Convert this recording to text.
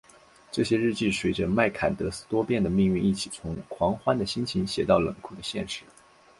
这些日记随着麦坎德斯多变的命运一起从狂喜的心情写到冷酷的现实。